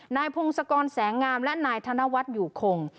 นายพงศกรแสงงามและไหนทนวัฒย์อยู่โค่ง